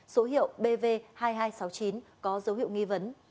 số hiệu bv hai nghìn hai trăm sáu mươi chín có dấu hiệu nghi vấn